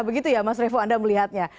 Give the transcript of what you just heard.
begitu ya mas revo anda melihatnya